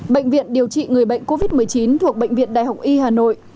bệnh viện điều trị người bệnh covid một mươi chín thuộc bệnh viện đại học y hà nội